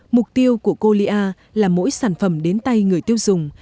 mục tiêu của colia là mỗi sản phẩm đến tay người tiêu dùng